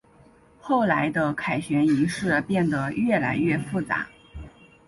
后来的凯旋仪式变得越来越复杂。